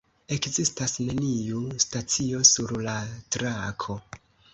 Ekzistas neniu stacio sur la trako.